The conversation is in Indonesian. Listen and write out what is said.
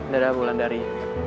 da dah bu landari